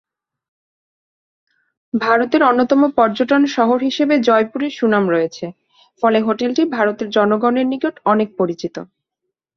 ভারতের অন্যতম পর্যটন শহর হিসাবে জয়পুরের সুনাম রয়েছে ফলে হোটেলটি ভারতের জনগনের নিকট অনেক পরিচিত।